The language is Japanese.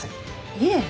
いえ。